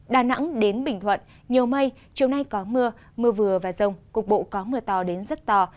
đà nẵng đến bình thuận nhiều mây chiều nay có mưa mưa vừa và rông cục bộ có mưa to đến rất to